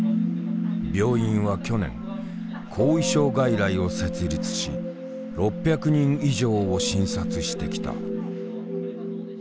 病院は去年後遺症外来を設立し６００人以上を診察してきた。